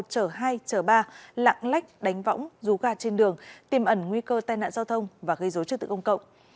chở hai chở ba lạng lách đánh võng rú gạt trên đường tìm ẩn nguy cơ tai nạn giao thông và gây dối trực tực công cộng